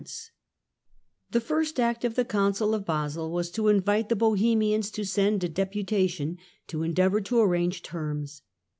Bohemiau The first act of the Council of Basle was to invite the to Bask^°" Bohemians to send a deputation to endeavour to arrange ^^^^ terms.